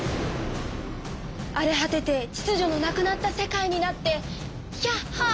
あれ果ててちつじょのなくなった世界になってヒャッハー！